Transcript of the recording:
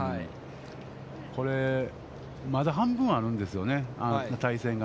これ、まだ半分あるんですよね、対戦が。